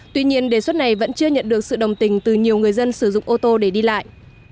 tuy nhiên đề xuất này vẫn chưa nhận được sự đồng tình từ nhiều người dân sử dụng ô tô để đi lại